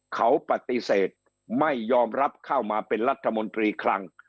เขาปฏิเสธไม่ยอมรับเข้ามาเป็นรัฐมนตรีคลัง